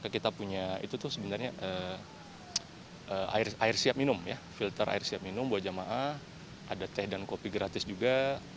kita punya air siap minum filter air siap minum buah jamaah ada teh dan kopi gratis juga